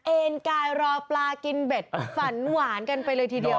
เอ็นกายรอปลากินเบ็ดฝันหวานกันไปเลยทีเดียว